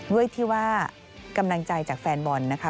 ด้วยที่ว่ากำลังใจจากแฟนบอลนะคะ